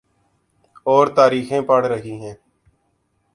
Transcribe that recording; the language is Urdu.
اورتاریخیں پڑ رہی ہیں۔